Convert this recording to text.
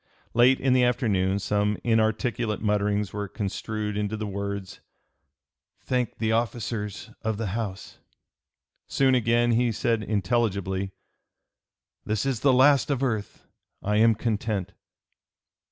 Late in the afternoon some inarticulate mutterings were construed into the words, "Thank the officers of the House." Soon again he said intelligibly, "This is the last of earth! I am content!"